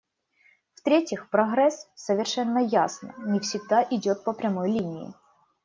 В-третьих, прогресс, совершенно ясно, не всегда идет по прямой линии.